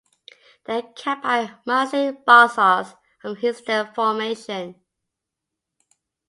They are capped by Miocene basalts of the Hinsdale Formation.